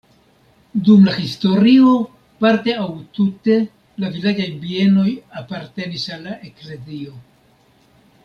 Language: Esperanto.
Dum la historio parte aŭ tute la vilaĝaj bienoj apartenis al la eklezio.